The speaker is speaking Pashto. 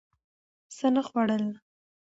څه نه خوړل